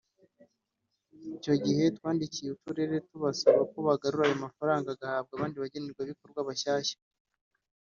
Icyo gihe twandikiye uturere tubasaba ko bagarura ayo mafaranga agahabwa abandi bagenerwabikorwa bashyashya